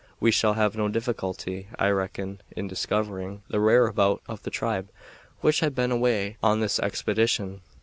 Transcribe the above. We shall have no difficulty, I reckon, in discovering the whereabout of the tribe which has been away on this expedition."